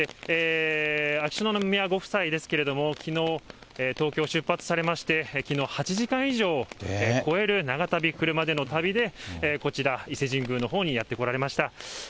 秋篠宮ご夫妻ですけれども、きのう東京を出発されまして、きのう、８時間以上を超える長旅、車での旅でこちら、伊勢神宮のほうにやって来られました。